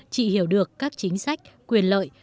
chị hiểu được các chính sách quyền lợi